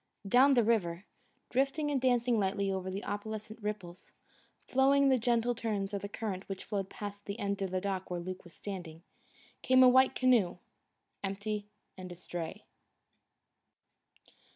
Down the river, drifting and dancing lightly over the opalescent ripples, following the gentle turns of the current which flowed past the end of the dock where Luke was standing, came a white canoe, empty and astray.